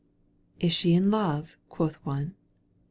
Is she in love ?" quoth one.